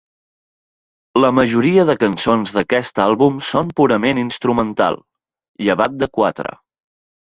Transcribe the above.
La majoria de cançons d'aquest àlbum són purament instrumental, llevat de quatre.